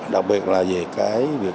đặc biệt là về cái